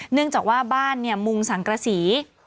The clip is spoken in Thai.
เนื่องจากว่าบ้านมุงสังกษี